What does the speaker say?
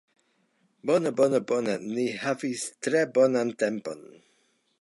Bone, bone, bone ni havis tre bonan tempon